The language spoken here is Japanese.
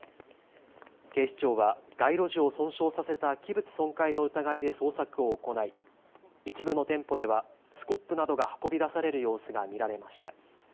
警視庁は街路樹を損傷させた器物損壊の疑いで捜索を行い一部の店舗ではスコップなどが運び出される様子が見られました。